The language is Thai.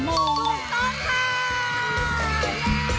ถูกต้องค่ะ